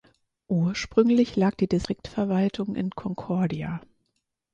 Ursprünglich lag die Distriktverwaltung in Concordia.